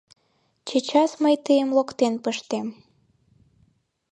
Чечас мый тыйым локтен пыштем...